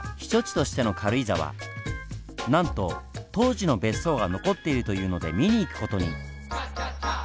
なんと当時の別荘が残っているというので見に行く事に。